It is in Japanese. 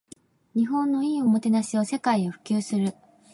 日本の良いおもてなしを世界へ普及する